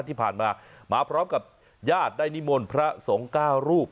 ที่ผ่านมามาพร้อมกับญาติได้นิมนต์พระสงฆ์๙รูป